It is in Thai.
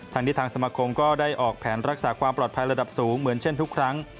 ทางนี้ทางสมาคมก็ได้ออกแผนรักษาความปลอดภัยระดับสูงเหมือนเช่นทุกครั้ง